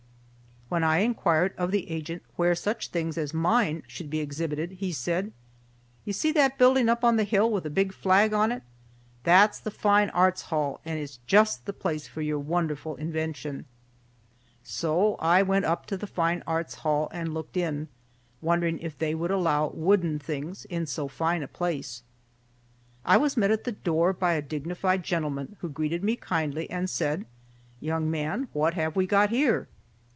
When I inquired of the agent where such things as mine should be exhibited, he said, "You see that building up on the hill with a big flag on it? That's the Fine Arts Hall, and it's just the place for your wonderful invention." So I went up to the Fine Arts Hall and looked in, wondering if they would allow wooden things in so fine a place. I was met at the door by a dignified gentleman, who greeted me kindly and said, "Young man, what have we got here?"